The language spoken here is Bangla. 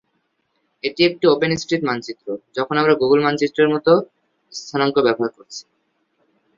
এটি একটি ওপেন স্ট্রিট মানচিত্র, যখন আমরা গুগল মানচিত্রের মতো স্থানাঙ্ক ব্যবহার করছি।